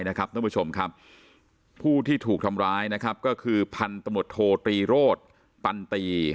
ท่านผู้ชมครับผู้ที่ถูกทำร้ายก็คือพันธุโมทโทธีโรธปันตี